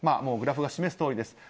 グラフが示すとおりです。